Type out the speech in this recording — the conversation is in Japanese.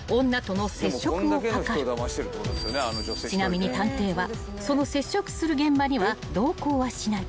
［ちなみに探偵はその接触する現場には同行はしない］